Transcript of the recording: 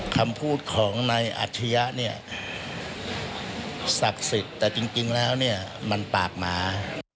คำพูดของนายอัจฉริยะเนี่ยศักดิ์สิทธิ์แต่จริงแล้วเนี่ยมันปากหมา